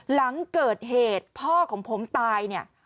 หลังเกิดเหตุพ่อของผมตาย